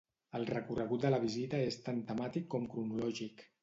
El recorregut de la visita és tant temàtic com cronològic.